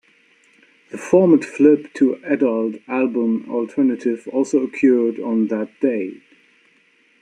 The format flip to adult album alternative also occurred on that date.